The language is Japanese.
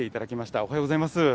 おはようございます。